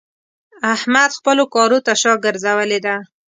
احمد خپلو کارو ته شا ګرځولې ده.